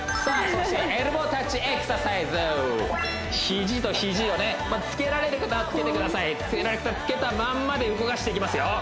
そしてエルボータッチエクササイズヒジとヒジをねつけられる方はつけてくださいつけられる方はつけたまんまで動かしていきますよ